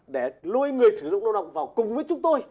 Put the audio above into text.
để lôi người sử dụng lao động vào cùng với chúng tôi